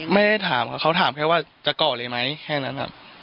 ไม่ได้ถามครับเขาถามแค่ว่าจะเกาะเลยไหมแค่นั้นครับ